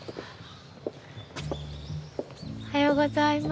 おはようございます。